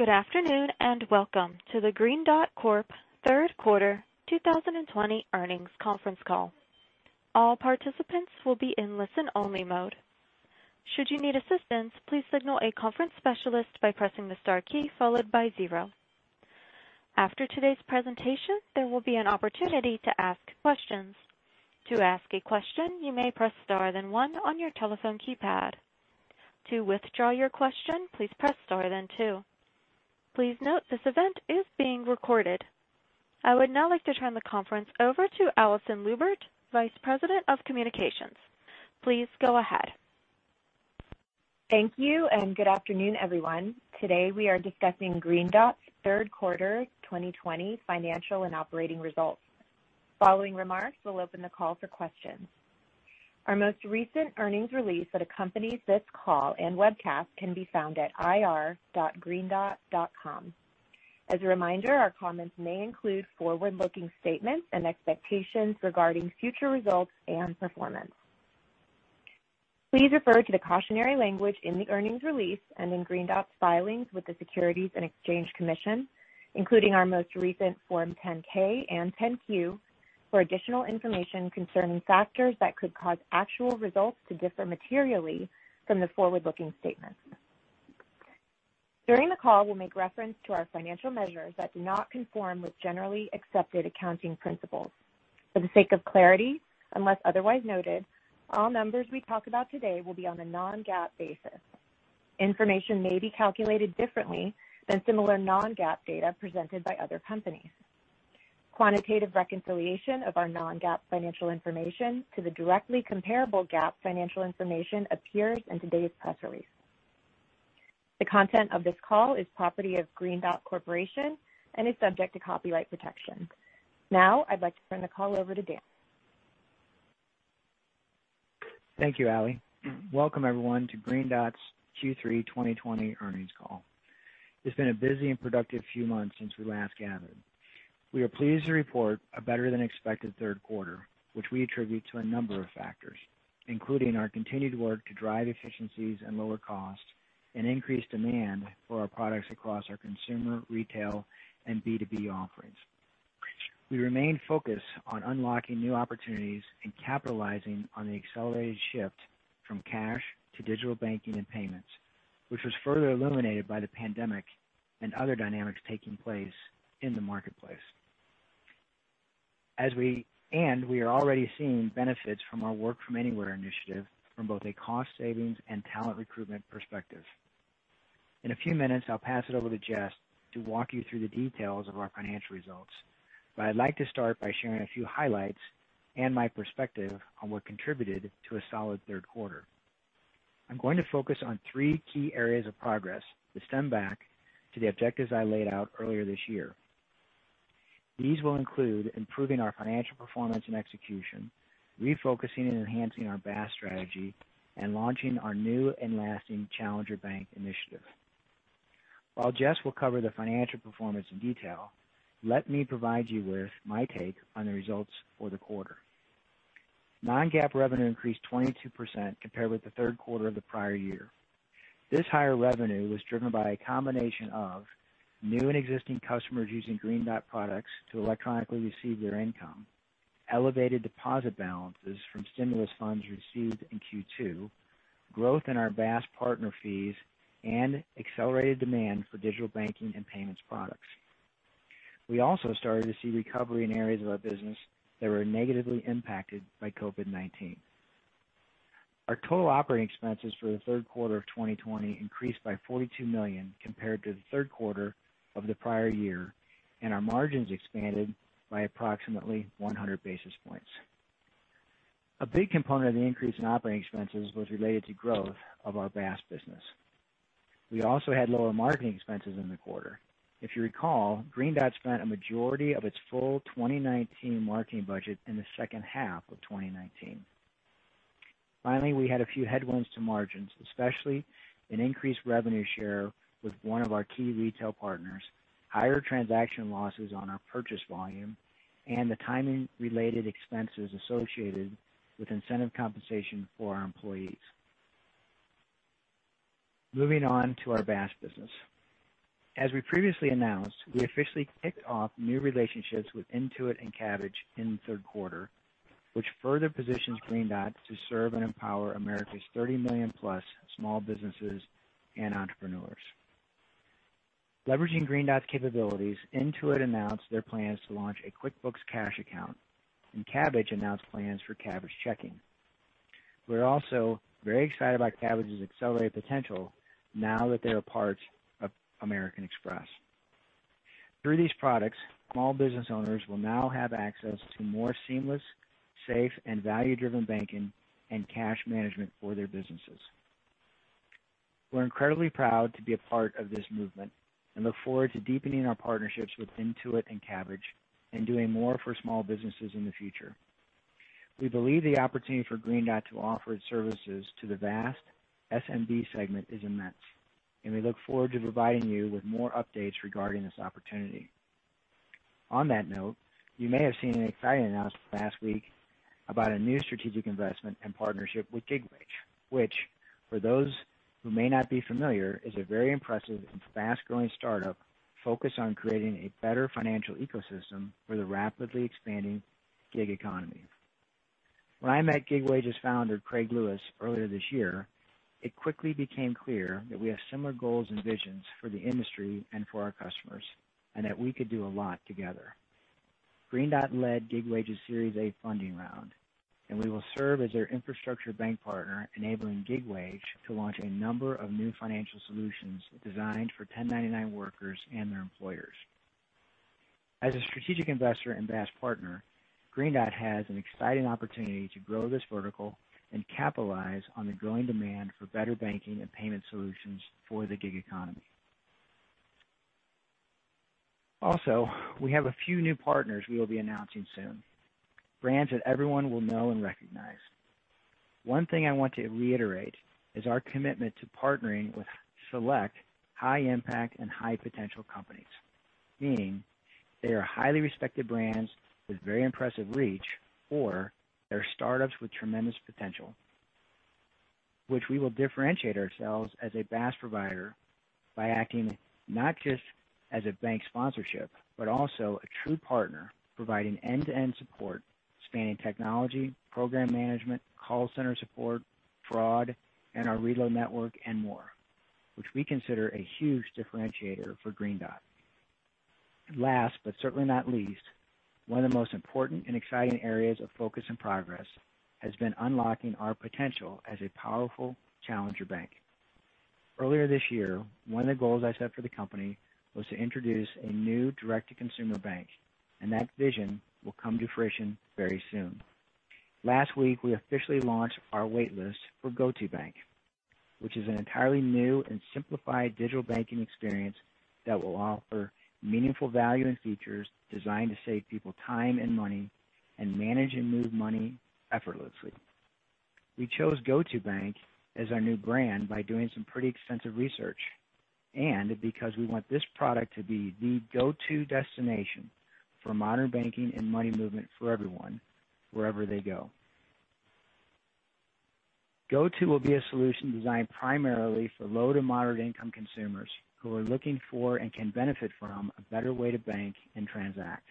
Good afternoon and welcome to the Green Dot Corp Third Quarter 2020 Earnings Conference Call. All participants will be in listen-only mode. Should you need assistance, please signal a conference specialist by pressing the star key followed by zero. After today's presentation, there will be an opportunity to ask questions. To ask a question, you may press star then one on your telephone keypad. To withdraw your question, please press star then two. Please note this event is being recorded. I would now like to turn the conference over to Alison Lubert, Vice President of Communications. Please go ahead. Thank you and good afternoon, everyone. Today we are discussing Green Dot's third quarter 2020 financial and operating results. Following remarks, we'll open the call for questions. Our most recent earnings release that accompanies this call and webcast can be found at ir.greendot.com. As a reminder, our comments may include forward-looking statements and expectations regarding future results and performance. Please refer to the cautionary language in the earnings release and in Green Dot's filings with the Securities and Exchange Commission, including our most recent Form 10-K and 10-Q, for additional information concerning factors that could cause actual results to differ materially from the forward-looking statements. During the call, we'll make reference to our financial measures that do not conform with generally accepted accounting principles. For the sake of clarity, unless otherwise noted, all numbers we talk about today will be on a non-GAAP basis. Information may be calculated differently than similar non-GAAP data presented by other companies. Quantitative reconciliation of our non-GAAP financial information to the directly comparable GAAP financial information appears in today's press release. The content of this call is property of Green Dot Corporation and is subject to copyright protection. Now I'd like to turn the call over to Dan. Thank you, Ali. Welcome everyone to Green Dot's Q3 2020 Earnings Call. It's been a busy and productive few months since we last gathered. We are pleased to report a better-than-expected third quarter, which we attribute to a number of factors, including our continued work to drive efficiencies and lower costs and increased demand for our products across our consumer, retail, and B2B offerings. We remain focused on unlocking new opportunities and capitalizing on the accelerated shift from cash to digital banking and payments, which was further illuminated by the pandemic and other dynamics taking place in the marketplace. We are already seeing benefits from our Work From Anywhere initiative from both a cost savings and talent recruitment perspective. In a few minutes, I'll pass it over to Jess to walk you through the details of our financial results, but I'd like to start by sharing a few highlights and my perspective on what contributed to a solid third quarter. I'm going to focus on three key areas of progress that stem back to the objectives I laid out earlier this year. These will include improving our financial performance and execution, refocusing and enhancing our BaaS strategy, and launching our new and lasting Challenger Bank initiative. While Jess will cover the financial performance in detail, let me provide you with my take on the results for the quarter. Non-GAAP revenue increased 22% compared with the third quarter of the prior year. This higher revenue was driven by a combination of new and existing customers using Green Dot products to electronically receive their income, elevated deposit balances from stimulus funds received in Q2, growth in our BaaS partner fees, and accelerated demand for digital banking and payments products. We also started to see recovery in areas of our business that were negatively impacted by COVID-19. Our total operating expenses for the third quarter of 2020 increased by $42 million compared to the third quarter of the prior year, and our margins expanded by approximately 100 basis points. A big component of the increase in operating expenses was related to growth of our BaaS business. We also had lower marketing expenses in the quarter. If you recall, Green Dot spent a majority of its full 2019 marketing budget in the second half of 2019. Finally, we had a few headwinds to margins, especially an increased revenue share with one of our key retail partners, higher transaction losses on our purchase volume, and the timing-related expenses associated with incentive compensation for our employees. Moving on to our BaaS business. As we previously announced, we officially kicked off new relationships with Intuit and Kabbage in the third quarter, which further positions Green Dot to serve and empower America's 30+ million small businesses and entrepreneurs. Leveraging Green Dot's capabilities, Intuit announced their plans to launch a QuickBooks Cash account, and Kabbage announced plans for Kabbage Checking. We're also very excited about Kabbage's accelerated potential now that they're a part of American Express. Through these products, small business owners will now have access to more seamless, safe, and value-driven banking and cash management for their businesses. We're incredibly proud to be a part of this movement and look forward to deepening our partnerships with Intuit and Kabbage and doing more for small businesses in the future. We believe the opportunity for Green Dot to offer its services to the vast SMB segment is immense, and we look forward to providing you with more updates regarding this opportunity. On that note, you may have seen an exciting announcement last week about a new strategic investment and partnership with Gig Wage, which, for those who may not be familiar, is a very impressive and fast-growing startup focused on creating a better financial ecosystem for the rapidly expanding gig economy. When I met Gig Wage's founder, Craig Lewis, earlier this year, it quickly became clear that we have similar goals and visions for the industry and for our customers and that we could do a lot together. Green Dot led Gig Wage's Series A funding round, and we will serve as their infrastructure bank partner, enabling Gig Wage to launch a number of new financial solutions designed for 1099 workers and their employers. As a strategic investor and BaaS partner, Green Dot has an exciting opportunity to grow this vertical and capitalize on the growing demand for better banking and payment solutions for the gig economy. Also, we have a few new partners we will be announcing soon, brands that everyone will know and recognize. One thing I want to reiterate is our commitment to partnering with select high-impact and high-potential companies, meaning they are highly respected brands with very impressive reach or they're startups with tremendous potential, which we will differentiate ourselves as a BaaS provider by acting not just as a bank sponsorship but also a true partner providing end-to-end support spanning technology, program management, call center support, fraud, and our reload network, and more, which we consider a huge differentiator for Green Dot. Last but certainly not least, one of the most important and exciting areas of focus and progress has been unlocking our potential as a powerful Challenger Bank. Earlier this year, one of the goals I set for the company was to introduce a new direct-to-consumer bank, and that vision will come to fruition very soon. Last week, we officially launched our waitlist for Go2bank, which is an entirely new and simplified digital banking experience that will offer meaningful value and features designed to save people time and money and manage and move money effortlessly. We chose Go2bank as our new brand by doing some pretty extensive research and because we want this product to be the go-to destination for modern banking and money movement for everyone wherever they go. Go2 will be a solution designed primarily for low to moderate-income consumers who are looking for and can benefit from a better way to bank and transact,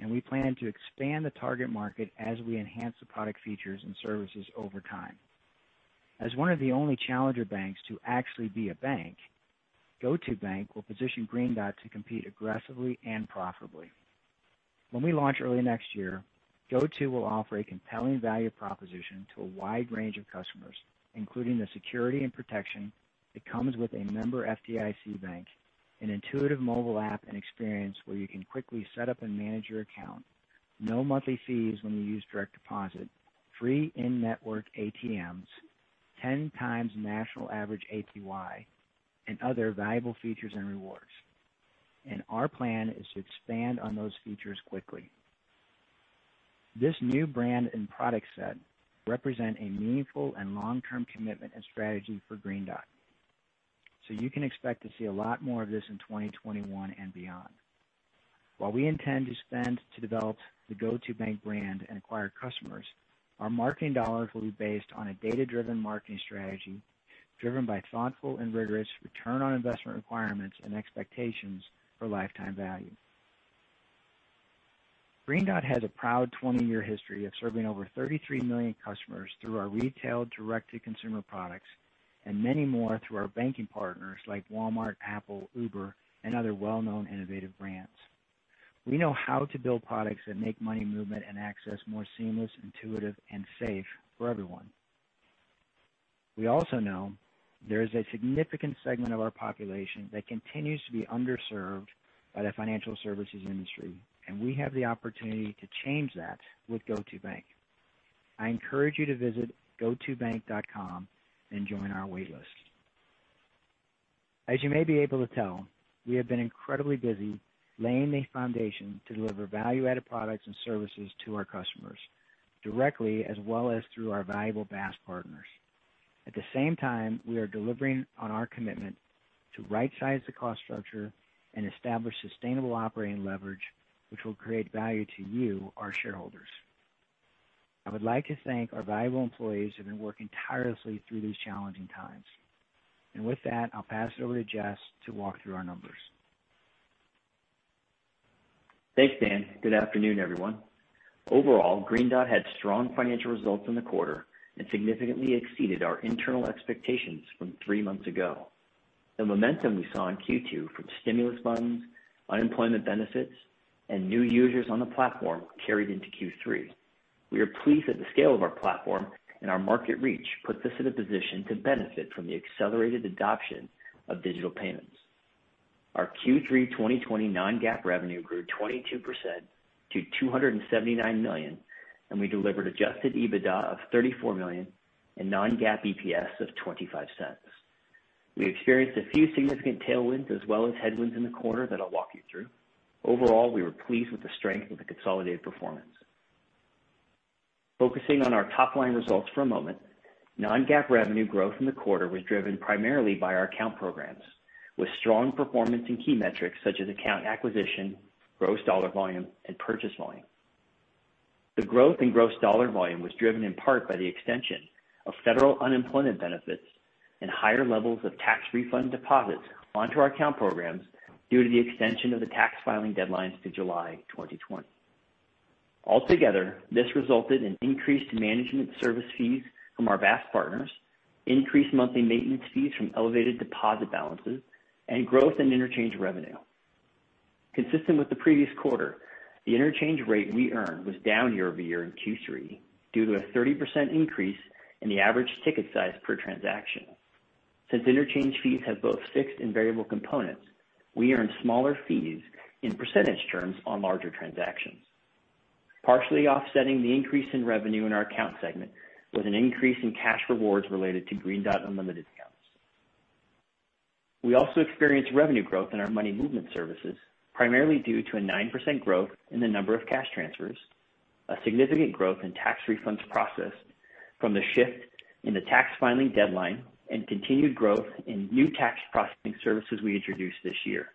and we plan to expand the target market as we enhance the product features and services over time. As one of the only Challenger banks to actually be a bank, Go2bank will position Green Dot to compete aggressively and profitably. When we launch early next year, Go2 will offer a compelling value proposition to a wide range of customers, including the security and protection that comes with a member FDIC bank, an intuitive mobile app and experience where you can quickly set up and manage your account, no monthly fees when you use direct deposit, free in-network ATMs, 10x national average APY, and other valuable features and rewards. Our plan is to expand on those features quickly. This new brand and product set represent a meaningful and long-term commitment and strategy for Green Dot, so you can expect to see a lot more of this in 2021 and beyond. While we intend to spend to develop the Go2bank brand and acquire customers, our marketing dollars will be based on a data-driven marketing strategy driven by thoughtful and rigorous return on investment requirements and expectations for lifetime value. Green Dot has a proud 20-year history of serving over 33 million customers through our retail direct-to-consumer products and many more through our banking partners like Walmart, Apple, Uber, and other well-known innovative brands. We know how to build products that make money movement and access more seamless, intuitive, and safe for everyone. We also know there is a significant segment of our population that continues to be underserved by the financial services industry, and we have the opportunity to change that with Go2bank. I encourage you to visit Go2bank.com and join our waitlist. As you may be able to tell, we have been incredibly busy laying the foundation to deliver value-added products and services to our customers directly as well as through our valuable BaaS partners. At the same time, we are delivering on our commitment to right-size the cost structure and establish sustainable operating leverage, which will create value to you, our shareholders. I would like to thank our valuable employees who have been working tirelessly through these challenging times. With that, I'll pass it over to Jess to walk through our numbers. Thanks, Dan. Good afternoon, everyone. Overall, Green Dot had strong financial results in the quarter and significantly exceeded our internal expectations from three months ago. The momentum we saw in Q2 from stimulus funds, unemployment benefits, and new users on the platform carried into Q3. We are pleased that the scale of our platform and our market reach puts us in a position to benefit from the accelerated adoption of digital payments. Our Q3 2020 non-GAAP revenue grew 22% to $279 million, and we delivered adjusted EBITDA of $34 million and non-GAAP EPS of $0.25. We experienced a few significant tailwinds as well as headwinds in the quarter that I'll walk you through. Overall, we were pleased with the strength of the consolidated performance. Focusing on our top-line results for a moment, non-GAAP revenue growth in the quarter was driven primarily by our account programs, with strong performance in key metrics such as account acquisition, gross dollar volume, and purchase volume. The growth in gross dollar volume was driven in part by the extension of federal unemployment benefits and higher levels of tax refund deposits onto our account programs due to the extension of the tax filing deadlines to July 2020. Altogether, this resulted in increased management service fees from our BaaS partners, increased monthly maintenance fees from elevated deposit balances, and growth in interchange revenue. Consistent with the previous quarter, the interchange rate we earned was down year over year in Q3 due to a 30% increase in the average ticket size per transaction. Since interchange fees have both fixed and variable components, we earned smaller fees in percentage terms on larger transactions, partially offsetting the increase in revenue in our account segment with an increase in cash rewards related to Green Dot Unlimited accounts. We also experienced revenue growth in our money movement services, primarily due to a 9% growth in the number of cash transfers, a significant growth in tax refunds processed from the shift in the tax filing deadline, and continued growth in new tax processing services we introduced this year.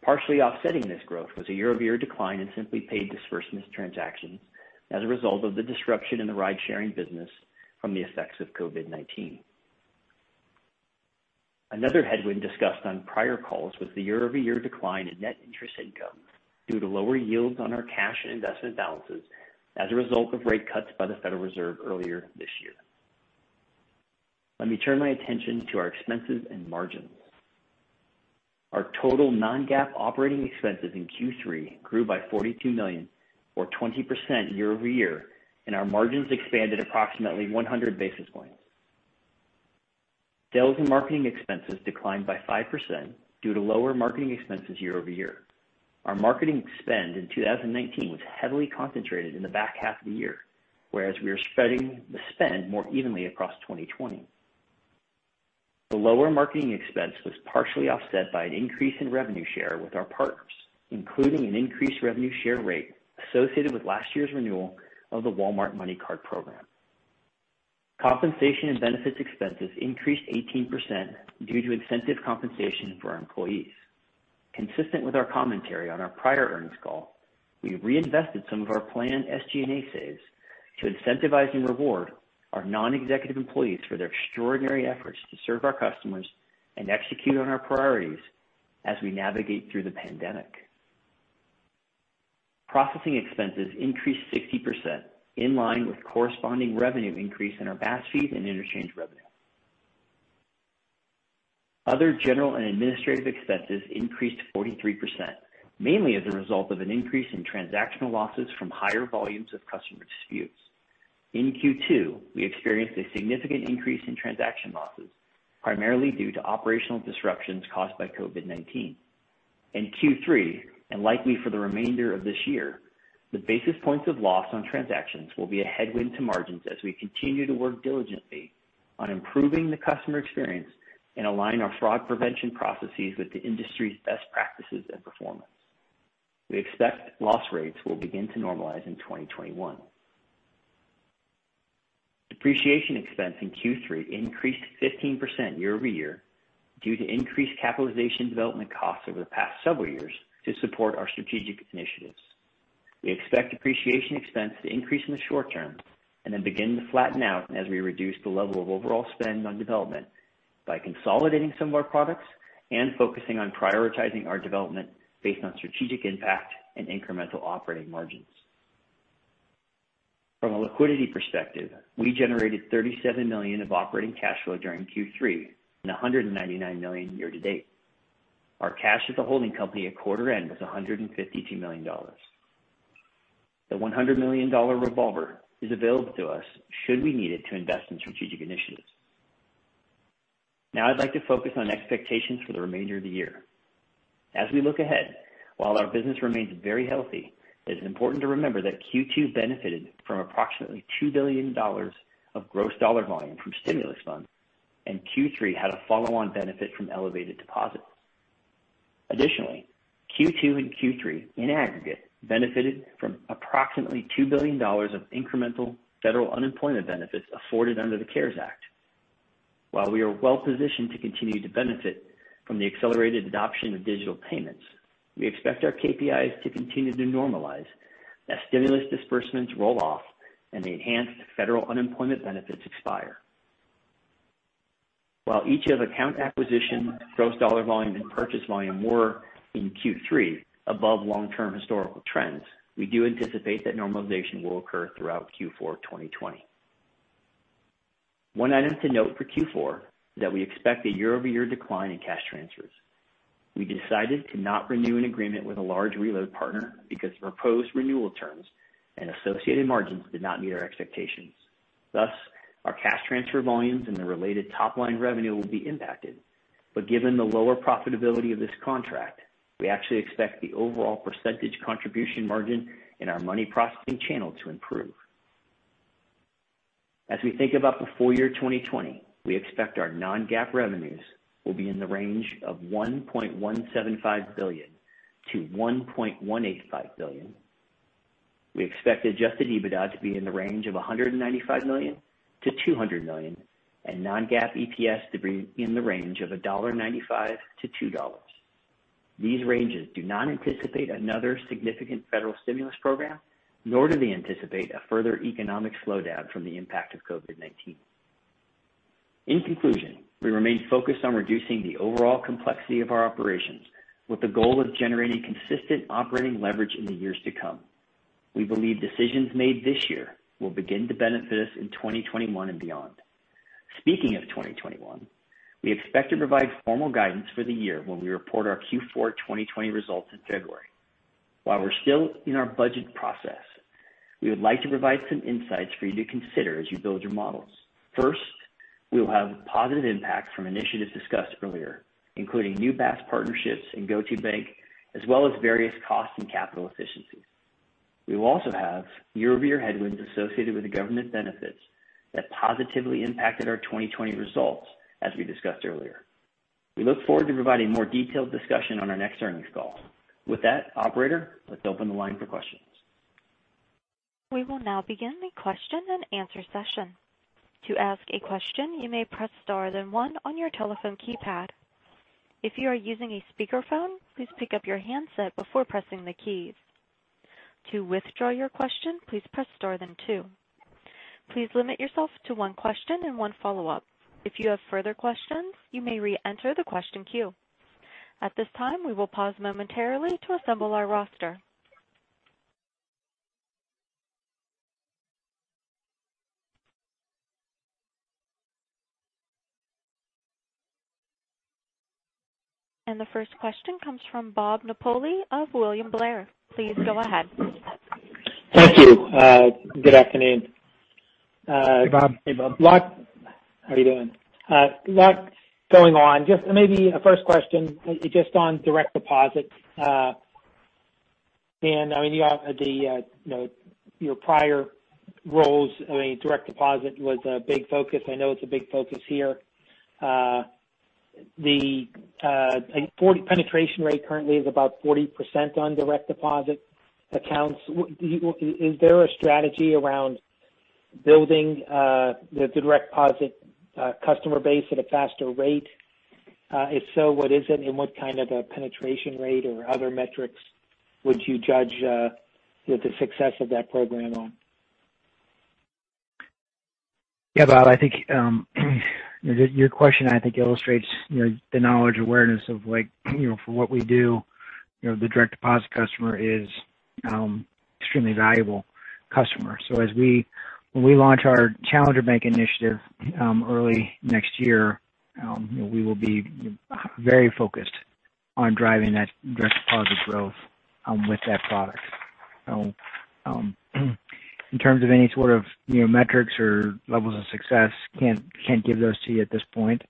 Partially offsetting this growth was a year-over-year decline in Simply Paid disbursement transactions as a result of the disruption in the ride-sharing business from the effects of COVID-19. Another headwind discussed on prior calls was the year-over-year decline in net interest income due to lower yields on our cash and investment balances as a result of rate cuts by the Federal Reserve earlier this year. Let me turn my attention to our expenses and margins. Our total non-GAAP operating expenses in Q3 grew by $42 million, or 20% year over year, and our margins expanded approximately 100 basis points. Sales and marketing expenses declined by 5% due to lower marketing expenses year over year. Our marketing spend in 2019 was heavily concentrated in the back half of the year, whereas we are spreading the spend more evenly across 2020. The lower marketing expense was partially offset by an increase in revenue share with our partners, including an increased revenue share rate associated with last year's renewal of the Walmart MoneyCard program. Compensation and benefits expenses increased 18% due to incentive compensation for our employees. Consistent with our commentary on our prior earnings call, we reinvested some of our planned SG&A saves to incentivize and reward our non-executive employees for their extraordinary efforts to serve our customers and execute on our priorities as we navigate through the pandemic. Processing expenses increased 60% in line with corresponding revenue increase in our BaaS fees and interchange revenue. Other general and administrative expenses increased 43%, mainly as a result of an increase in transactional losses from higher volumes of customer disputes. In Q2, we experienced a significant increase in transaction losses, primarily due to operational disruptions caused by COVID-19. In Q3, and likely for the remainder of this year, the basis points of loss on transactions will be a headwind to margins as we continue to work diligently on improving the customer experience and align our fraud prevention processes with the industry's best practices and performance. We expect loss rates will begin to normalize in 2021. Depreciation expense in Q3 increased 15% year over year due to increased capitalization development costs over the past several years to support our strategic initiatives. We expect depreciation expense to increase in the short term and then begin to flatten out as we reduce the level of overall spend on development by consolidating some of our products and focusing on prioritizing our development based on strategic impact and incremental operating margins. From a liquidity perspective, we generated $37 million of operating cash flow during Q3 and $199 million year to date. Our cash at the holding company at quarter end was $152 million. The $100 million revolver is available to us should we need it to invest in strategic initiatives. Now, I'd like to focus on expectations for the remainder of the year. As we look ahead, while our business remains very healthy, it is important to remember that Q2 benefited from approximately $2 billion of gross dollar volume from stimulus funds, and Q3 had a follow-on benefit from elevated deposits. Additionally, Q2 and Q3 in aggregate benefited from approximately $2 billion of incremental federal unemployment benefits afforded under the CARES Act. While we are well-positioned to continue to benefit from the accelerated adoption of digital payments, we expect our KPIs to continue to normalize as stimulus disbursements roll off and the enhanced federal unemployment benefits expire. While each of account acquisition, gross dollar volume, and purchase volume were in Q3 above long-term historical trends, we do anticipate that normalization will occur throughout Q4 2020. One item to note for Q4 is that we expect a year-over-year decline in cash transfers. We decided to not renew an agreement with a large reload partner because the proposed renewal terms and associated margins did not meet our expectations. Thus, our cash transfer volumes and the related top-line revenue will be impacted, but given the lower profitability of this contract, we actually expect the overall percentage contribution margin in our money processing channel to improve. As we think about the full year 2020, we expect our non-GAAP revenues will be in the range of $1.175 billion-$1.185 billion. We expect adjusted EBITDA to be in the range of $195 million-$200 million, and non-GAAP EPS to be in the range of $1.95-$2. These ranges do not anticipate another significant federal stimulus program, nor do they anticipate a further economic slowdown from the impact of COVID-19. In conclusion, we remain focused on reducing the overall complexity of our operations with the goal of generating consistent operating leverage in the years to come. We believe decisions made this year will begin to benefit us in 2021 and beyond. Speaking of 2021, we expect to provide formal guidance for the year when we report our Q4 2020 results in February. While we're still in our budget process, we would like to provide some insights for you to consider as you build your models. First, we will have positive impact from initiatives discussed earlier, including new BaaS partnerships and Go2bank, as well as various cost and capital efficiencies. We will also have year-over-year headwinds associated with the government benefits that positively impacted our 2020 results, as we discussed earlier. We look forward to providing more detailed discussion on our next earnings call. With that, operator, let's open the line for questions. We will now begin the question and answer session. To ask a question, you may press star then one on your telephone keypad. If you are using a speakerphone, please pick up your handset before pressing the keys. To withdraw your question, please press star then two. Please limit yourself to one question and one follow-up. If you have further questions, you may re-enter the question queue. At this time, we will pause momentarily to assemble our roster. The first question comes from Bob Napoli of William Blair. Please go ahead. Thank you. Good afternoon. Hey, Bob. Hey, Bob. How are you doing? A lot going on. Just maybe a first question, just on direct deposit. I mean, you all had your prior roles, I mean, direct deposit was a big focus. I know it's a big focus here. The penetration rate currently is about 40% on direct deposit accounts. Is there a strategy around building the direct deposit customer base at a faster rate? If so, what is it, and what kind of a penetration rate or other metrics would you judge the success of that program on? Yeah, Bob, I think your question, I think, illustrates the knowledge awareness of for what we do, the direct deposit customer is an extremely valuable customer. When we launch our Challenger Bank initiative early next year, we will be very focused on driving that direct deposit growth with that product. In terms of any sort of metrics or levels of success, can't give those to you at this point,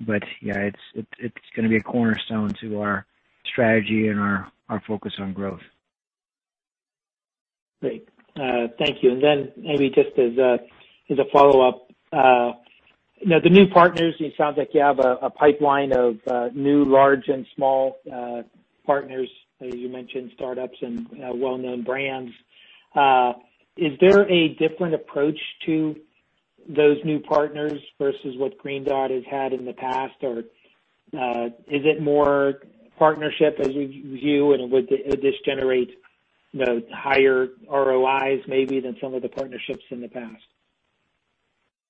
but yeah, it's going to be a cornerstone to our strategy and our focus on growth. Great. Thank you. Maybe just as a follow-up, the new partners, it sounds like you have a pipeline of new large and small partners, as you mentioned, startups and well-known brands. Is there a different approach to those new partners versus what Green Dot has had in the past, or is it more partnership as you view, and would this generate higher ROIs maybe than some of the partnerships in the past?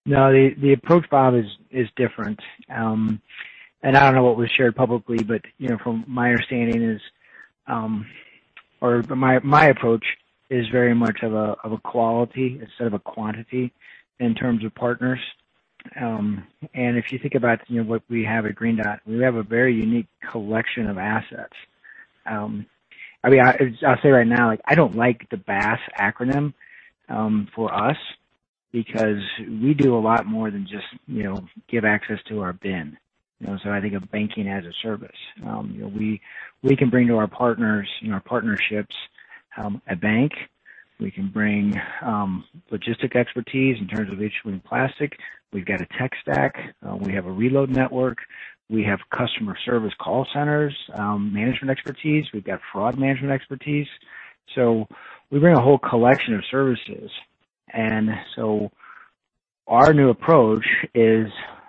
No, the approach, Bob, is different. I don't know what was shared publicly, but from my understanding is, or my approach is very much of a quality instead of a quantity in terms of partners. If you think about what we have at Green Dot, we have a very unique collection of assets. I mean, I'll say right now, I don't like the BaaS acronym for us because we do a lot more than just give access to our BIN. I think of banking as a service. We can bring to our partners, our partnerships at bank. We can bring logistic expertise in terms of issuing plastic. We've got a tech stack. We have a reload network. We have customer service call centers, management expertise. We've got fraud management expertise. We bring a whole collection of services. Our new approach is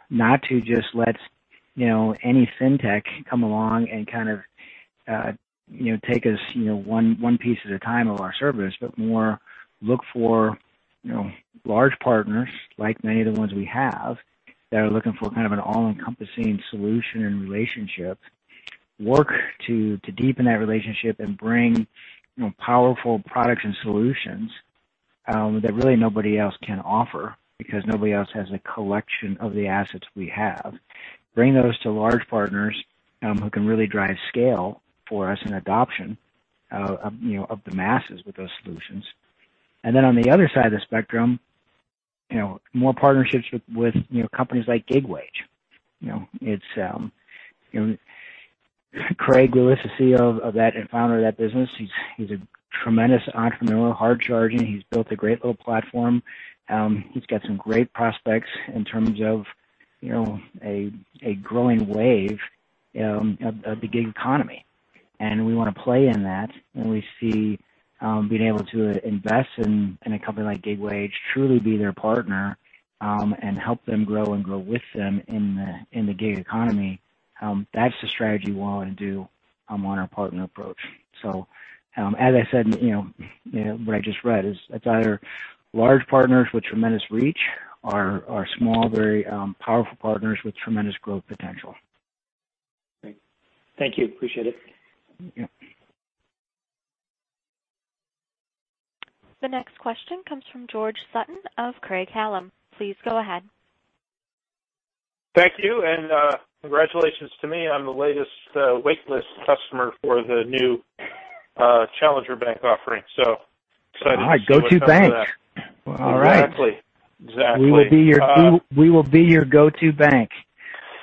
not to just let any fintech come along and kind of take us one piece at a time of our service, but more look for large partners, like many of the ones we have, that are looking for kind of an all-encompassing solution and relationship, work to deepen that relationship and bring powerful products and solutions that really nobody else can offer because nobody else has a collection of the assets we have. Bring those to large partners who can really drive scale for us and adoption of the masses with those solutions. On the other side of the spectrum, more partnerships with companies like Gig Wage. It's Craig Lewis, the CEO and founder of that business. He's a tremendous entrepreneur, hard-charging. He's built a great little platform. He's got some great prospects in terms of a growing wave of the gig economy. We want to play in that. We see being able to invest in a company like Gig Wage, truly be their partner and help them grow and grow with them in the gig economy. That's the strategy we want to do on our partner approach. As I said, what I just read is it's either large partners with tremendous reach or small, very powerful partners with tremendous growth potential. Great. Thank you. Appreciate it. Yep. The next question comes from George Sutton of Craig-Hallum. Please go ahead. Thank you. Congratulations to me. I'm the latest waitlist customer for the new Challenger Bank offering. So excited to see you on that. All right. Exactly. Exactly. We will be your go-to bank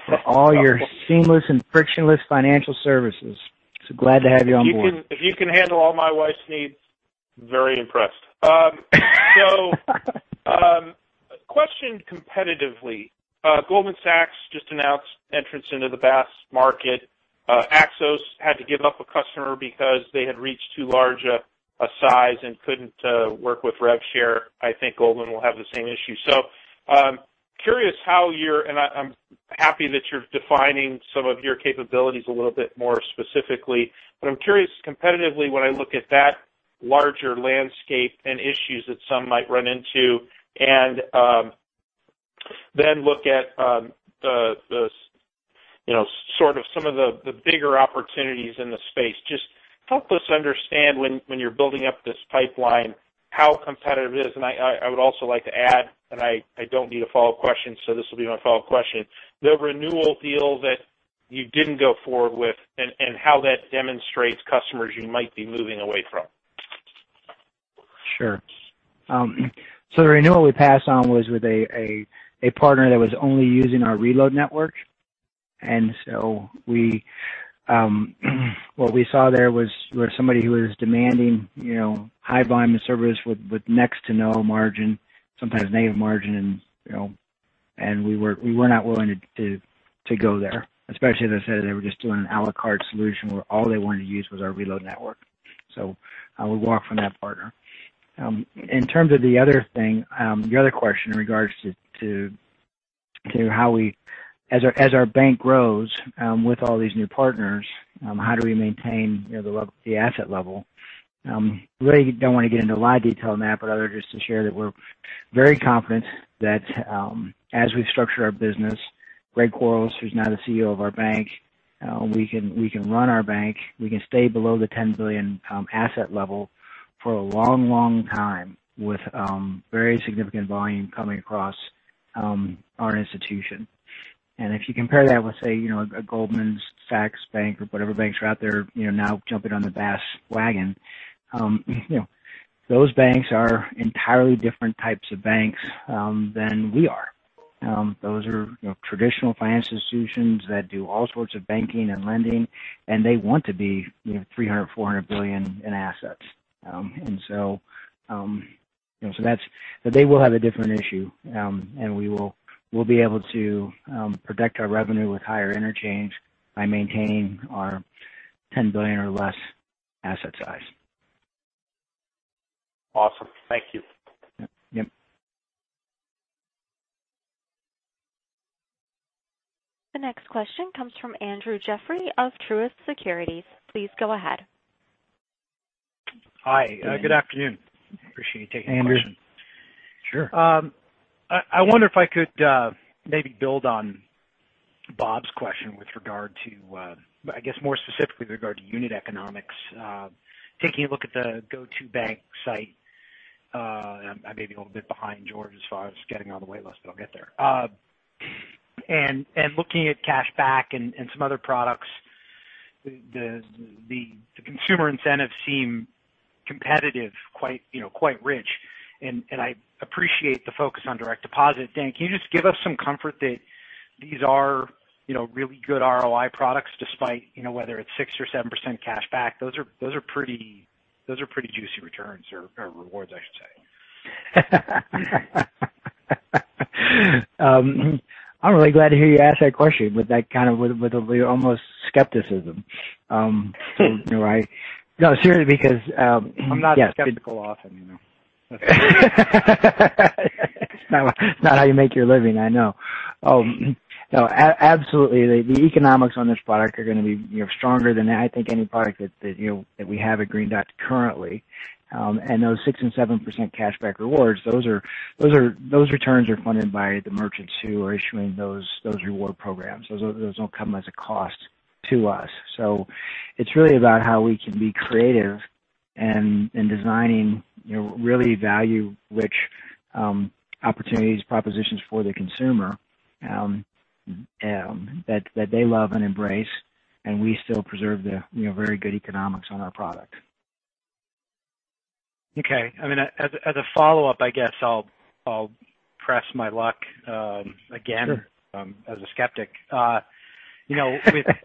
for all your seamless and frictionless financial services. So glad to have you on board. If you can handle all my wife's needs, very impressed. Question competitively. Goldman Sachs just announced entrance into the BaaS market. Axos had to give up a customer because they had reached too large a size and could not work with revshare. I think Goldman will have the same issue. Curious how your—and I am happy that you are defining some of your capabilities a little bit more specifically. I am curious, competitively, when I look at that larger landscape and issues that some might run into, and then look at sort of some of the bigger opportunities in the space, just help us understand when you are building up this pipeline how competitive it is. I would also like to add, and I do not need a follow-up question, so this will be my follow-up question, the renewal deal that you did not go forward with and how that demonstrates customers you might be moving away from. Sure. The renewal we passed on was with a partner that was only using our reload network. What we saw there was somebody who was demanding high volume of service with next-to-no margin, sometimes negative margin, and we were not willing to go there, especially as I said, they were just doing an à la carte solution where all they wanted to use was our reload network. We walked from that partner. In terms of the other thing, your other question in regards to how we, as our bank grows with all these new partners, how do we maintain the asset level? I really do not want to get into a lot of detail on that, but I would just share that we are very confident that as we have structured our business, Craig Quarles, who is now the CEO of our bank, we can run our bank. We can stay below the $10 billion asset level for a long, long time with very significant volume coming across our institution. If you compare that with, say, a Goldman Sachs Bank or whatever banks are out there now jumping on the BAS wagon, those banks are entirely different types of banks than we are. Those are traditional finance institutions that do all sorts of banking and lending, and they want to be $300 billion-$400 billion in assets. That will have a different issue. We will be able to protect our revenue with higher interchange by maintaining our $10 billion or less asset size. Awesome. Thank you. Yep. The next question comes from Andrew Jeffrey of Truist Securities. Please go ahead. Hi. Good afternoon. Appreciate you taking the question. Andrew, sure. I wonder if I could maybe build on Bob's question with regard to, I guess, more specifically with regard to unit economics, taking a look at the Go2bank site. I may be a little bit behind George as far as getting on the waitlist, but I'll get there. Looking at cashback and some other products, the consumer incentives seem competitive, quite rich. I appreciate the focus on direct deposit. Dan, can you just give us some comfort that these are really good ROI products despite whether it's 6% or 7% cashback? Those are pretty juicy returns or rewards, I should say. I'm really glad to hear you ask that question with that kind of, with a weird almost skepticism. No, seriously, because yes. I'm not skeptical often. It's not how you make your living. I know. Oh, no, absolutely. The economics on this product are going to be stronger than I think any product that we have at Green Dot currently. Those 6% and 7% cashback rewards, those returns are funded by the merchants who are issuing those reward programs. Those do not come as a cost to us. It is really about how we can be creative in designing really value-rich opportunities, propositions for the consumer that they love and embrace, and we still preserve the very good economics on our product. Okay. I mean, as a follow-up, I guess I'll press my luck again as a skeptic.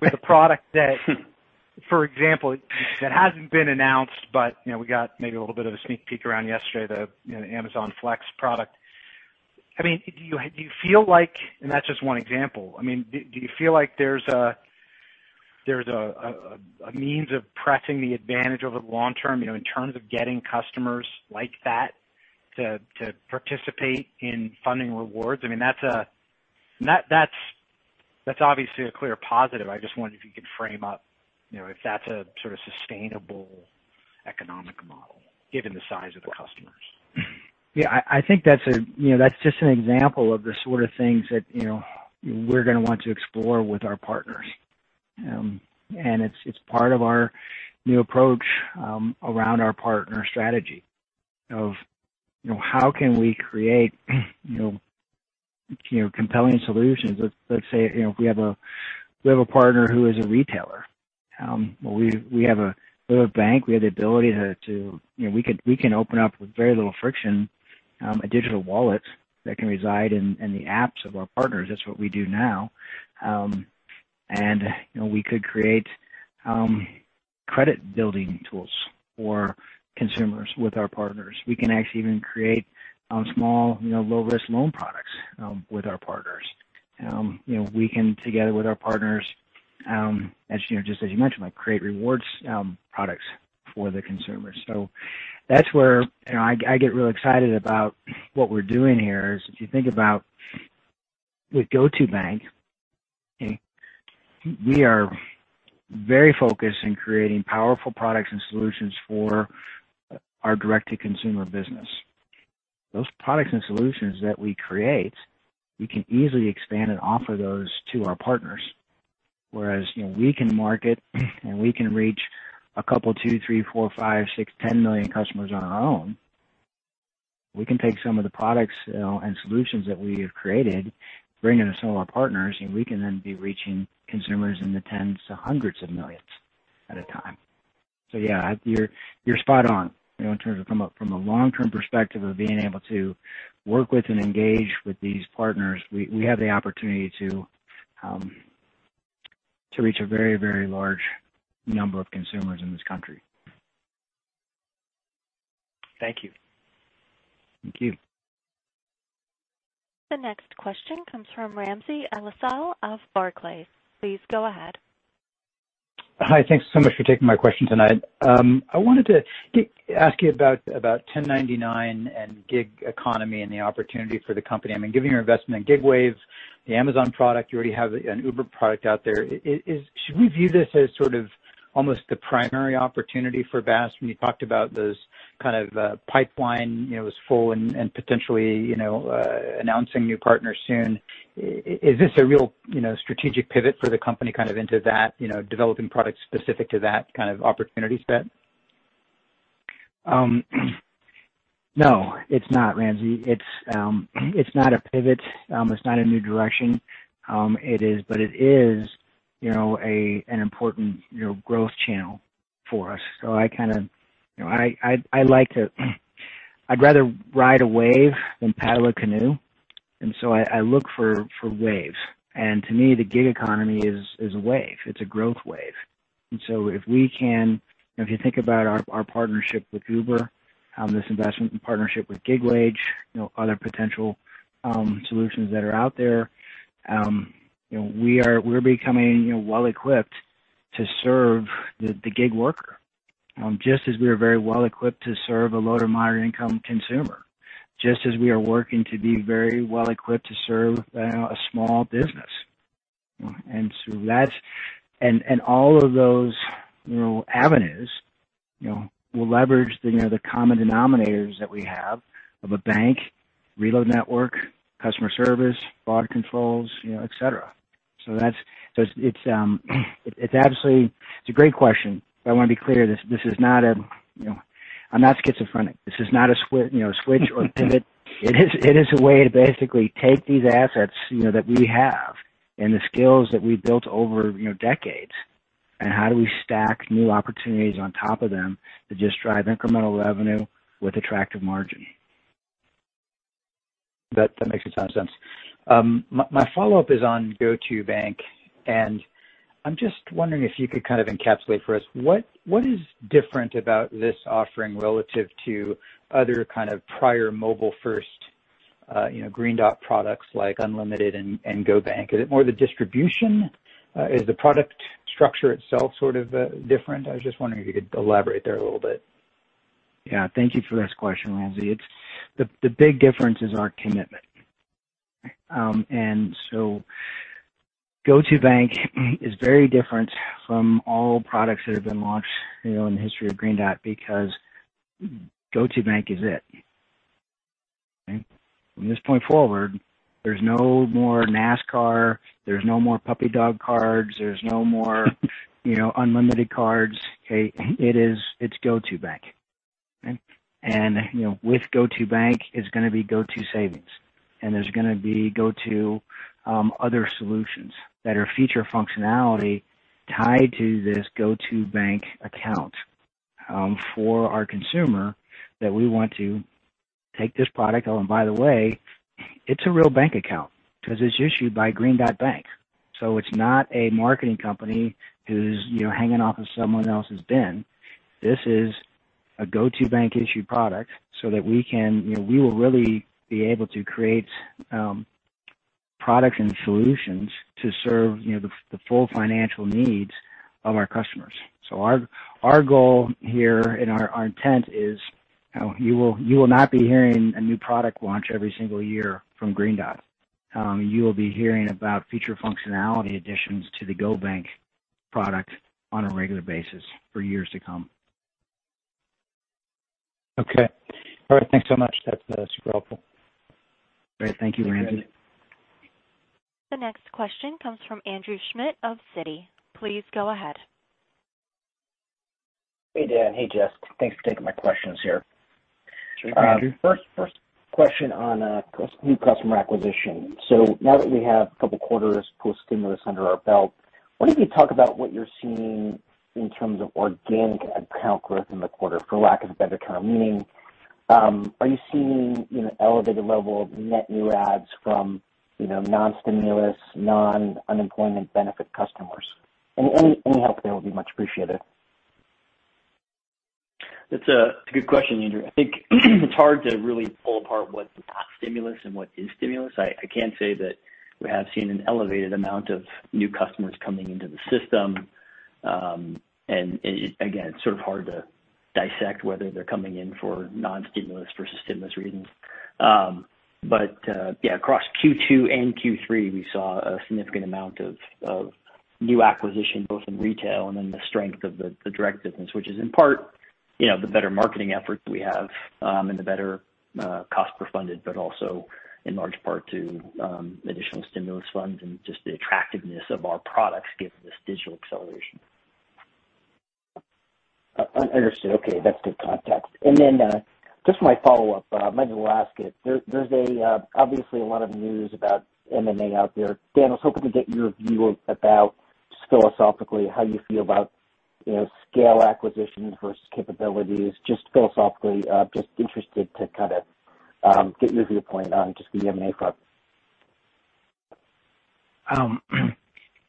With a product that, for example, that hasn't been announced, but we got maybe a little bit of a sneak peek around yesterday, the Amazon Flex product. I mean, do you feel like—that's just one example—I mean, do you feel like there's a means of pressing the advantage over the long term in terms of getting customers like that to participate in funding rewards? I mean, that's obviously a clear positive. I just wonder if you could frame up if that's a sort of sustainable economic model given the size of the customers. Yeah. I think that's just an example of the sort of things that we're going to want to explore with our partners. It is part of our new approach around our partner strategy of how can we create compelling solutions. Let's say we have a partner who is a retailer. We have a bank. We have the ability to—we can open up with very little friction a digital wallet that can reside in the apps of our partners. That's what we do now. We could create credit-building tools for consumers with our partners. We can actually even create small, low-risk loan products with our partners. We can, together with our partners, just as you mentioned, create rewards products for the consumers. That's where I get real excited about what we're doing here is if you think about with Go2bank, we are very focused in creating powerful products and solutions for our direct-to-consumer business. Those products and solutions that we create, we can easily expand and offer those to our partners. Whereas we can market and we can reach a couple, two, three, four, five, six, 10 million customers on our own. We can take some of the products and solutions that we have created, bring them to some of our partners, and we can then be reaching consumers in the tens to hundreds of millions at a time. Yeah, you're spot on in terms of from a long-term perspective of being able to work with and engage with these partners. We have the opportunity to reach a very, very large number of consumers in this country. Thank you. Thank you. The next question comes from Ramsey El-Assal of Barclays. Please go ahead. Hi. Thanks so much for taking my question tonight. I wanted to ask you about 1099 and gig economy and the opportunity for the company. I mean, given your investment in Gig Wage, the Amazon product, you already have an Uber product out there. Should we view this as sort of almost the primary opportunity for BaaS when you talked about those kind of pipeline was full and potentially announcing new partners soon? Is this a real strategic pivot for the company kind of into that developing products specific to that kind of opportunity spend? No, it's not, Ramsey. It's not a pivot. It's not a new direction. It is an important growth channel for us. I kind of—I'd rather ride a wave than paddle a canoe. I look for waves. To me, the gig economy is a wave. It's a growth wave. If you think about our partnership with Uber, this investment partnership with Gig Wage, other potential solutions that are out there, we're becoming well-equipped to serve the gig worker, just as we are very well-equipped to serve a low- to moderate-income consumer, just as we are working to be very well-equipped to serve a small business. All of those avenues will leverage the common denominators that we have of a bank, reload network, customer service, bar controls, etc. It's absolutely a great question. I want to be clear that this is not a—I am not schizophrenic. This is not a switch or pivot. It is a way to basically take these assets that we have and the skills that we have built over decades, and how do we stack new opportunities on top of them to just drive incremental revenue with attractive margin. That makes a ton of sense. My follow-up is on Go2bank. I am just wondering if you could kind of encapsulate for us what is different about this offering relative to other kind of prior mobile-first Green Dot products like Unlimited and GoBank. Is it more the distribution? Is the product structure itself sort of different? I was just wondering if you could elaborate there a little bit. Yeah. Thank you for this question, Ramsey. The big difference is our commitment. Go2bank is very different from all products that have been launched in the history of Green Dot because Go2bank is it. From this point forward, there's no more NASCAR. There's no more puppy dog cards. There's no more Unlimited cards. It's Go2bank. With Go2bank, it's going to be Go2savings. There's going to be Go2 other solutions that are feature functionality tied to this Go2bank account for our consumer that we want to take this product. Oh, and by the way, it's a real bank account because it's issued by Green Dot Bank. It's not a marketing company who's hanging off of someone else's BIN. This is a Go2Bank-issued product so that we can—we will really be able to create products and solutions to serve the full financial needs of our customers. Our goal here and our intent is you will not be hearing a new product launch every single year from Green Dot. You will be hearing about feature functionality additions to the GoBank product on a regular basis for years to come. Okay. All right. Thanks so much. That's super helpful. All right. Thank you, Ramsey. The next question comes from Andrew Schmidt of Citi. Please go ahead. Hey, Dan. Hey, Jess. Thanks for taking my questions here. Sure, Andrew. First question on new customer acquisition. Now that we have a couple of quarters post-stimulus under our belt, what if you talk about what you're seeing in terms of organic account growth in the quarter, for lack of a better term, meaning are you seeing an elevated level of net new ads from non-stimulus, non-unemployment benefit customers? Any help there would be much appreciated. That's a good question, Andrew. I think it's hard to really pull apart what's not stimulus and what is stimulus. I can't say that we have seen an elevated amount of new customers coming into the system. Again, it's sort of hard to dissect whether they're coming in for non-stimulus versus stimulus reasons. Across Q2 and Q3, we saw a significant amount of new acquisition both in retail and then the strength of the direct business, which is in part the better marketing efforts we have and the better cost-per-funded, but also in large part to additional stimulus funds and just the attractiveness of our products given this digital acceleration. Understood. Okay. That's good context. Just my follow-up, I might as well ask it. There's obviously a lot of news about M&A out there. Dan, I was hoping to get your view about just philosophically how you feel about scale acquisitions versus capabilities, just philosophically, just interested to kind of get your viewpoint on just the M&A front.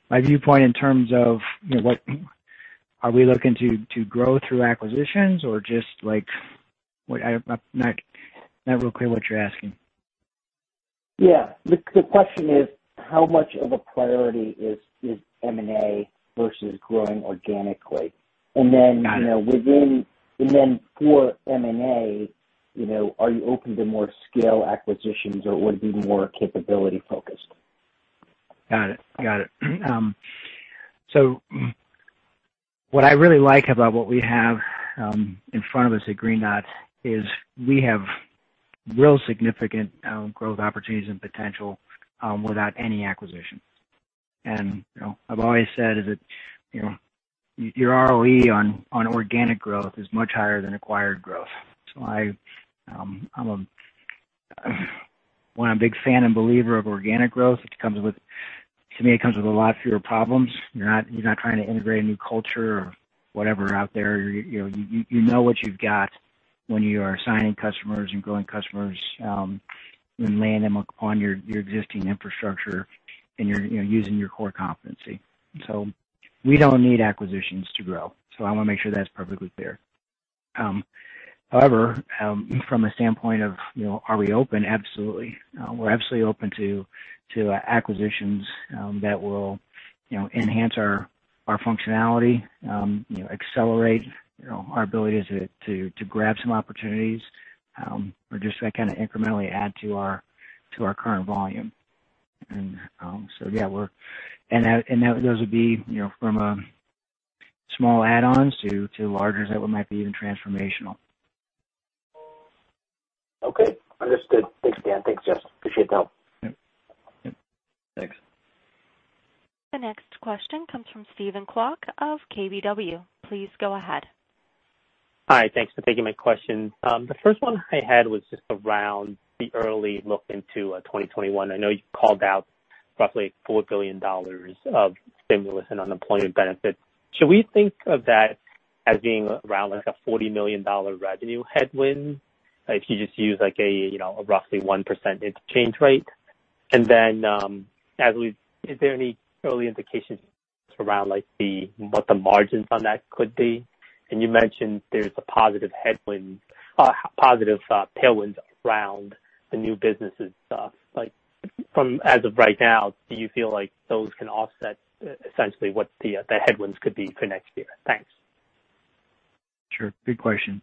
My viewpoint in terms of what are we looking to grow through acquisitions or just—I am not real clear what you are asking. Yeah. The question is how much of a priority is M&A versus growing organically? Then for M&A, are you open to more scale acquisitions or would it be more capability-focused? Got it. Got it. What I really like about what we have in front of us at Green Dot is we have real significant growth opportunities and potential without any acquisition. I've always said that your ROE on organic growth is much higher than acquired growth. I'm a big fan and believer of organic growth. To me, it comes with a lot fewer problems. You're not trying to integrate a new culture or whatever out there. You know what you've got when you are signing customers and growing customers and laying them upon your existing infrastructure and using your core competency. We do not need acquisitions to grow. I want to make sure that's perfectly clear. However, from a standpoint of are we open? Absolutely. We're absolutely open to acquisitions that will enhance our functionality, accelerate our ability to grab some opportunities, or just that kind of incrementally add to our current volume. Yeah, those would be from small add-ons to larger that might be even transformational. Okay. Understood. Thanks, Dan. Thanks, Jess. Appreciate the help. Yep. Yep. Thanks. The next question comes from Steven Kwok of KBW. Please go ahead. Hi. Thanks for taking my question. The first one I had was just around the early look into 2021. I know you called out roughly $4 billion of stimulus and unemployment benefits. Should we think of that as being around a $40 million revenue headwind if you just use a roughly 1% interchange rate? Is there any early indications around what the margins on that could be? You mentioned there's a positive headwind, positive tailwinds around the new businesses. As of right now, do you feel like those can offset essentially what the headwinds could be for next year? Thanks. Sure. Good question.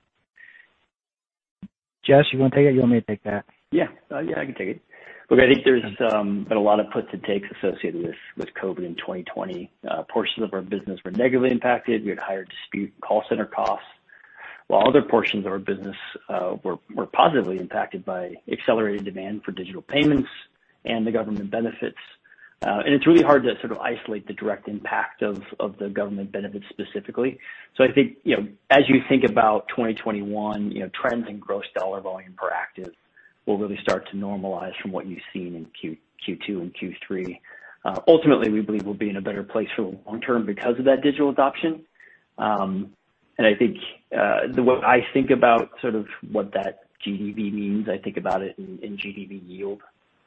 Jess, you want to take it? You want me to take that? Yeah. Yeah, I can take it. Look, I think there's been a lot of puts and takes associated with COVID in 2020. Portions of our business were negatively impacted. We had higher dispute and call center costs. While other portions of our business were positively impacted by accelerated demand for digital payments and the government benefits. It's really hard to sort of isolate the direct impact of the government benefits specifically. I think as you think about 2021, trends in gross dollar volume per active will really start to normalize from what you've seen in Q2 and Q3. Ultimately, we believe we'll be in a better place for the long term because of that digital adoption. I think the way I think about sort of what that GDV means, I think about it in GDV yield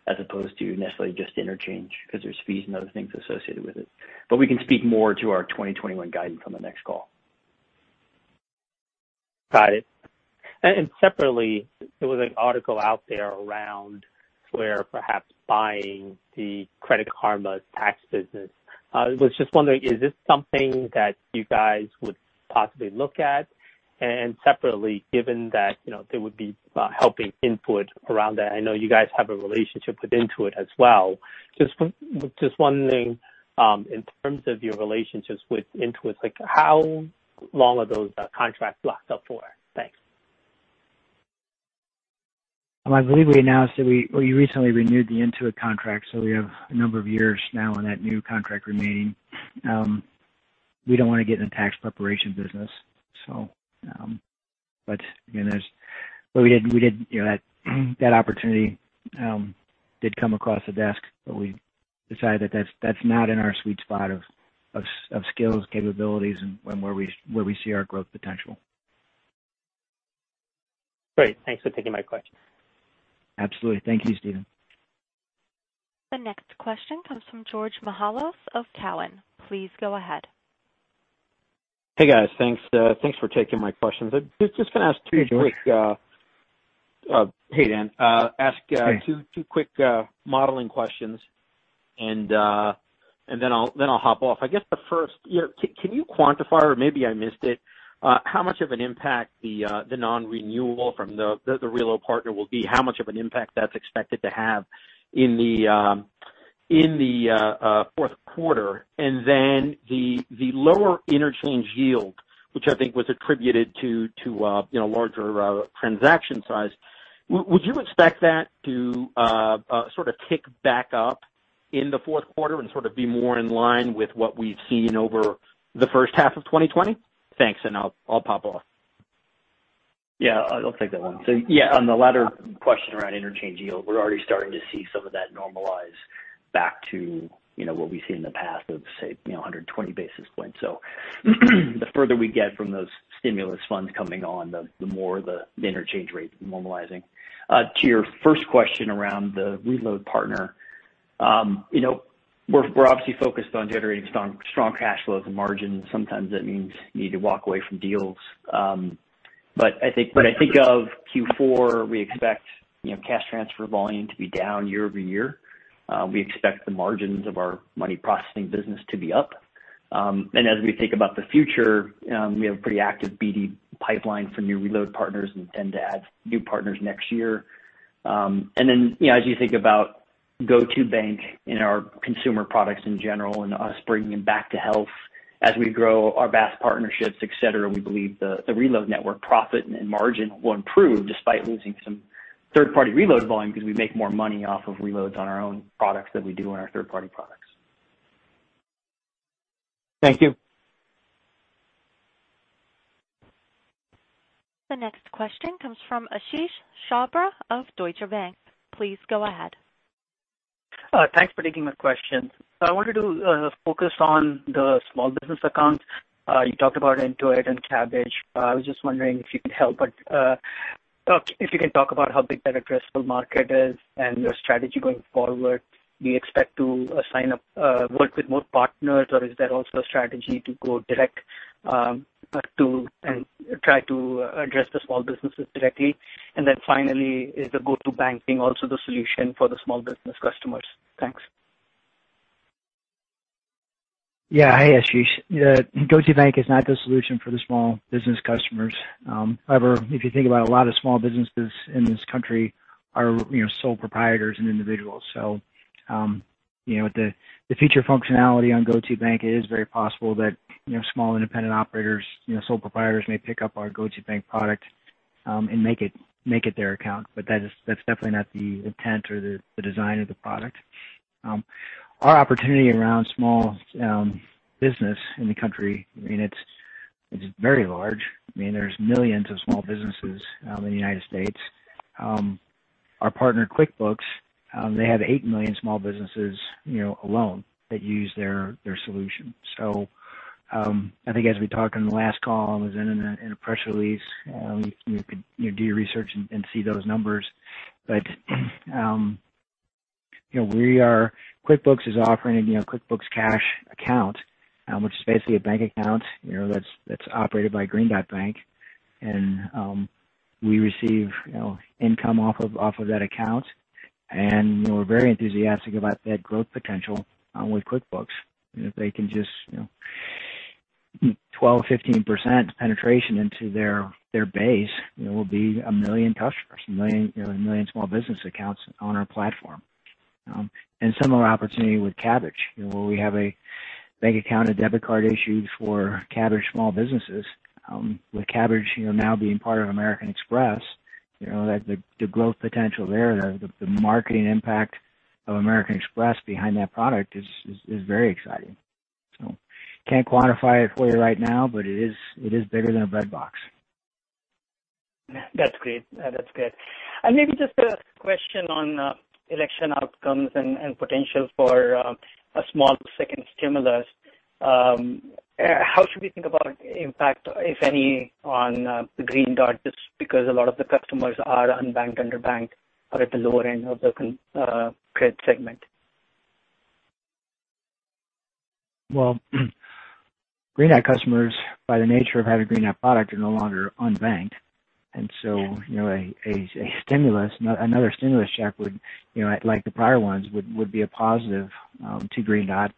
as opposed to necessarily just interchange because there's fees and other things associated with it. We can speak more to our 2021 guidance on the next call. Got it. Separately, there was an article out there around where perhaps buying the Credit Karma tax business. I was just wondering, is this something that you guys would possibly look at? Separately, given that there would be helping input around that, I know you guys have a relationship with Intuit as well. Just wondering in terms of your relationships with Intuit, how long are those contracts locked up for? Thanks. I believe we announced that we recently renewed the Intuit contract. We have a number of years now on that new contract remaining. We do not want to get in the tax preparation business. Again, that opportunity did come across the desk, but we decided that is not in our sweet spot of skills, capabilities, and where we see our growth potential. Great. Thanks for taking my question. Absolutely. Thank you, Steven. The next question comes from George Mihalos of Cowen. Please go ahead. Hey, guys. Thanks for taking my questions. Just going to ask two quick —hey, Dan. Ask two quick modeling questions, and then I'll hop off. I guess the first, can you quantify, or maybe I missed it, how much of an impact the non-renewal from the reload partner will be? How much of an impact that's expected to have in the fourth quarter? The lower interchange yield, which I think was attributed to larger transaction size, would you expect that to sort of tick back up in the fourth quarter and sort of be more in line with what we've seen over the first half of 2020? Thanks. I'll pop off. Yeah. I'll take that one. Yeah, on the latter question around interchange yield, we're already starting to see some of that normalize back to what we've seen in the past of, say, 120 basis points. The further we get from those stimulus funds coming on, the more the interchange rate is normalizing. To your first question around the reload partner, we're obviously focused on generating strong cash flows and margins. Sometimes that means you need to walk away from deals. I think of Q4, we expect cash transfer volume to be down year over year. We expect the margins of our money processing business to be up. As we think about the future, we have a pretty active BD pipeline for new reload partners and intend to add new partners next year. As you think about Go2bank and our consumer products in general and us bringing them back to health as we grow our BAS partnerships, etc., we believe the reload network profit and margin will improve despite losing some third-party reload volume because we make more money off of reloads on our own products than we do on our third-party products. Thank you. The next question comes from Ashish Sharma of Deutsche Bank. Please go ahead. Thanks for taking my question. I wanted to focus on the small business accounts. You talked about Intuit and Cabbage. I was just wondering if you could help if you can talk about how big that addressable market is and your strategy going forward. Do you expect to work with more partners, or is there also a strategy to go direct and try to address the small businesses directly? Finally, is the GoToBank thing also the solution for the small business customers? Thanks. Yeah. Hey, Ashish. Go2bank is not the solution for the small business customers. However, if you think about it, a lot of small businesses in this country are sole proprietors and individuals. With the feature functionality on Go2bank, it is very possible that small independent operators, sole proprietors may pick up our Go2bank product and make it their account. That's definitely not the intent or the design of the product. Our opportunity around small business in the country, I mean, it's very large. There's millions of small businesses in the United States. Our partner, QuickBooks, they have 8 million small businesses alone that use their solution. As we talked in the last call, I was in a press release, and you could do your research and see those numbers. QuickBooks is offering a QuickBooks Cash account, which is basically a bank account that's operated by Green Dot Bank. We receive income off of that account. We're very enthusiastic about that growth potential with QuickBooks. If they can just get 12%-15% penetration into their base, there will be a million customers, a million small business accounts on our platform. There is a similar opportunity with Kabbage, where we have a bank account and debit card issued for Kabbage small businesses. With Kabbage now being part of American Express, the growth potential there, the marketing impact of American Express behind that product is very exciting. I can't quantify it for you right now, but it is bigger than a bread box. That's great. That's good. Maybe just a question on election outcomes and potential for a small second stimulus. How should we think about impact, if any, on Green Dot just because a lot of the customers are unbanked, underbanked, or at the lower end of the credit segment? Green Dot customers, by the nature of having Green Dot product, are no longer unbanked. Another stimulus check, like the prior ones, would be a positive to Green Dot.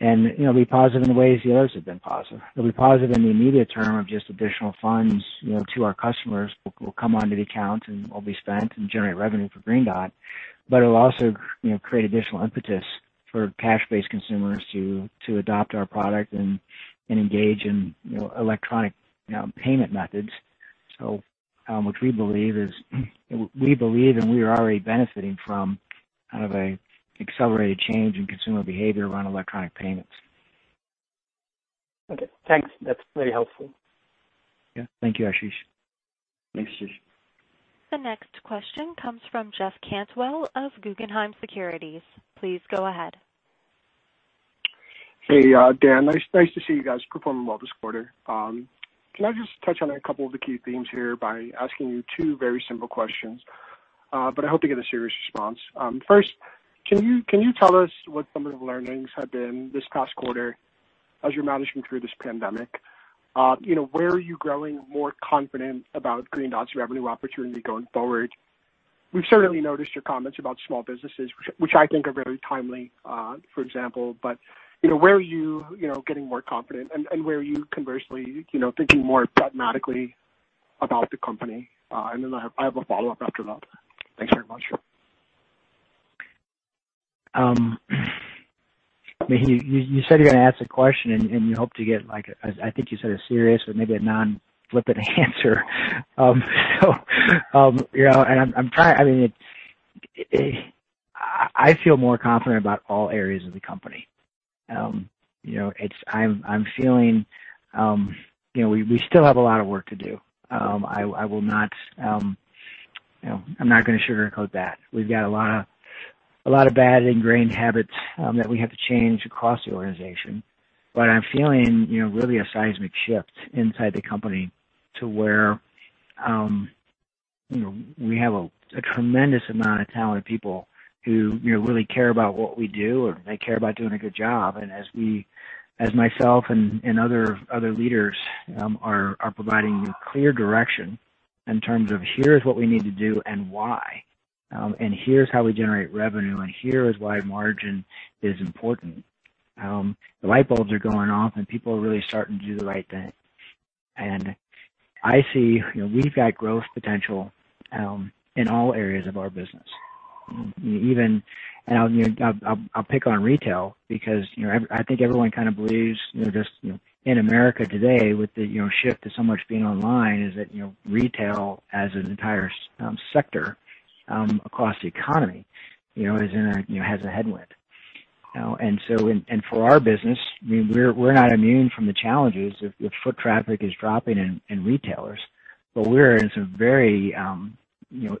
It will be positive in ways the others have been positive. It will be positive in the immediate term of just additional funds to our customers will come onto the account and will be spent and generate revenue for Green Dot. It will also create additional impetus for cash-based consumers to adopt our product and engage in electronic payment methods, which we believe is—we believe and we are already benefiting from kind of an accelerated change in consumer behavior around electronic payments. Okay. Thanks. That's very helpful. Yeah. Thank you, Ashish. Thanks, Ashish. The next question comes from Jeff Cantwell of Guggenheim Securities. Please go ahead. Hey, Dan. Nice to see you guys performing well this quarter. Can I just touch on a couple of the key themes here by asking you two very simple questions? I hope to get a serious response. First, can you tell us what some of the learnings have been this past quarter as you're managing through this pandemic? Where are you growing more confident about Green Dot's revenue opportunity going forward? We've certainly noticed your comments about small businesses, which I think are very timely, for example. Where are you getting more confident, and where are you, conversely, thinking more pragmatically about the company? I have a follow-up after that. Thanks very much. You said you're going to ask a question, and you hope to get—I think you said a serious or maybe a non-flippant answer. I mean, I feel more confident about all areas of the company. I'm feeling we still have a lot of work to do. I will not—I'm not going to sugarcoat that. We've got a lot of bad ingrained habits that we have to change across the organization. I'm feeling really a seismic shift inside the company to where we have a tremendous amount of talented people who really care about what we do, or they care about doing a good job. As myself and other leaders are providing clear direction in terms of, "Here is what we need to do and why, and here's how we generate revenue, and here is why margin is important," the light bulbs are going off, and people are really starting to do the right thing. I see we've got growth potential in all areas of our business. I'll pick on retail because I think everyone kind of believes just in America today, with the shift to so much being online, that retail, as an entire sector across the economy, has a headwind. For our business, we're not immune from the challenges if foot traffic is dropping in retailers. We're in some very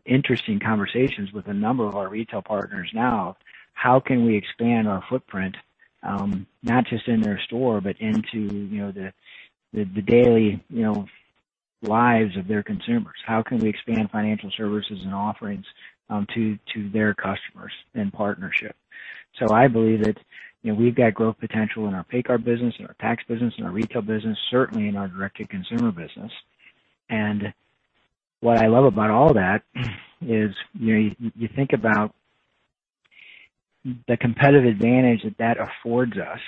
interesting conversations with a number of our retail partners now. How can we expand our footprint, not just in their store, but into the daily lives of their consumers? How can we expand financial services and offerings to their customers and partnership? I believe that we've got growth potential in our pay card business, in our tax business, in our retail business, certainly in our direct-to-consumer business. What I love about all that is you think about the competitive advantage that that affords us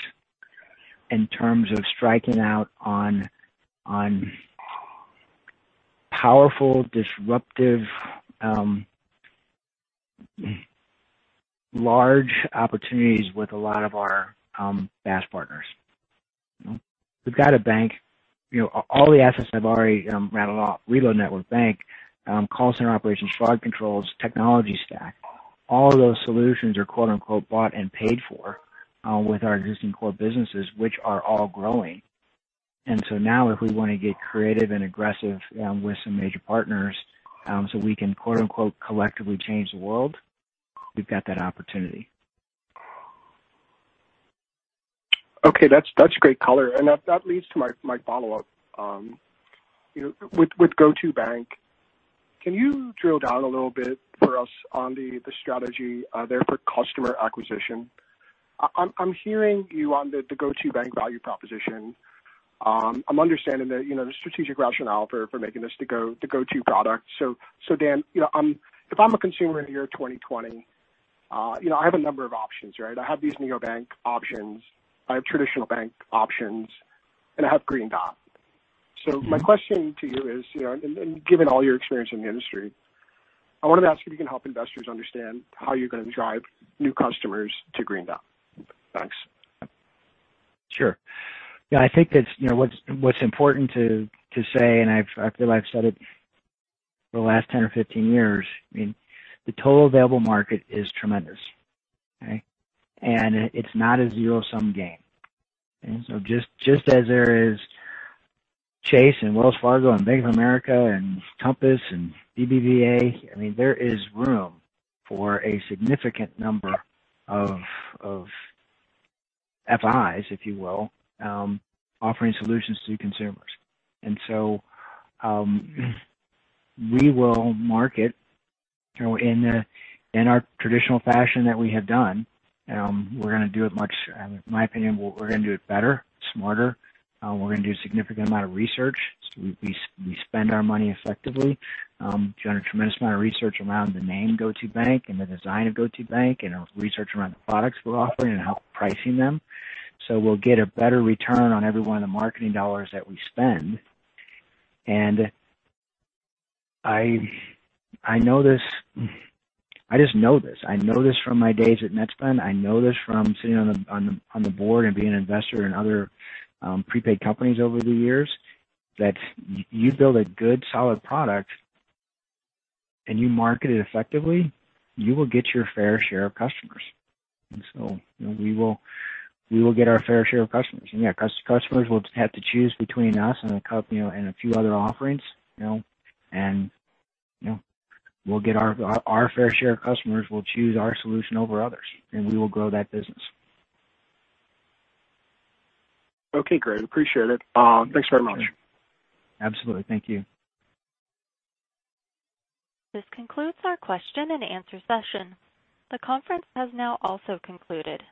in terms of striking out on powerful, disruptive, large opportunities with a lot of our BaaS partners. We've got a bank. All the assets I've already rattled off: reload network bank, call center operations, fraud controls, technology stack. All of those solutions are "bought and paid for" with our existing core businesses, which are all growing. If we want to get creative and aggressive with some major partners so we can "collectively change the world," we've got that opportunity. Okay. That's great color. That leads to my follow-up. With Go2bank, can you drill down a little bit for us on the strategy there for customer acquisition? I'm hearing you on the Go2bank value proposition. I'm understanding the strategic rationale for making this the Go2 product. Dan, if I'm a consumer in the year 2020, I have a number of options, right? I have these NeoBank options. I have traditional bank options, and I have Green Dot. My question to you is, and given all your experience in the industry, I wanted to ask if you can help investors understand how you're going to drive new customers to Green Dot. Thanks. Sure. Yeah. I think that what's important to say, and I feel I've said it for the last 10 years or 15 years, I mean, the total available market is tremendous, okay? It's not a zero-sum game. Just as there is Chase and Wells Fargo and Bank of America and Compass and BBVA, I mean, there is room for a significant number of FIs, if you will, offering solutions to consumers. We will market in our traditional fashion that we have done. We're going to do it much—in my opinion, we're going to do it better, smarter. We're going to do a significant amount of research so we spend our money effectively. We've done a tremendous amount of research around the name Go2bank and the design of Go2bank and our research around the products we're offering and how we're pricing them. We will get a better return on every one of the marketing dollars that we spend. I know this—I just know this. I know this from my days at NetSpend. I know this from sitting on the board and being an investor in other prepaid companies over the years, that if you build a good, solid product and you market it effectively, you will get your fair share of customers. We will get our fair share of customers. Yeah, customers will have to choose between us and a few other offerings. Our fair share of customers will choose our solution over others, and we will grow that business. Okay. Great. Appreciate it. Thanks very much. Absolutely. Thank you. This concludes our question and answer session. The conference has now also concluded.